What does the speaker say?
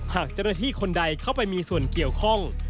หากจริฐีคนใดเข้าไปมีส่วนเกี่ยวข้อง